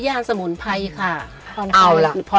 หนึ่งสองซ้ำยาดมนุษย์ป้า